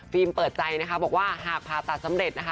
เปิดใจนะคะบอกว่าหากผ่าตัดสำเร็จนะคะ